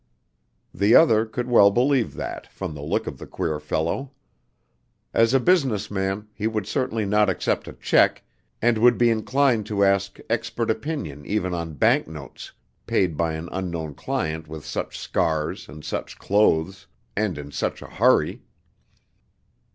The other could well believe that, from the look of the queer fellow! As a business man, he would certainly not accept a check, and would be inclined to ask expert opinion even on bank notes, paid by an unknown client with such scars, and such clothes, and in such a hurry!